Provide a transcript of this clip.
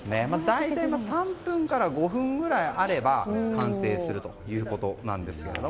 大体３分から５分ぐらいあれば完成するということです。